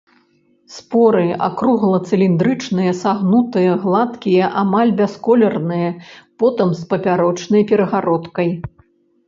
Споры акругла-цыліндрычныя, сагнутыя, гладкія, амаль бясколерныя, потым з папярочнай перагародкай.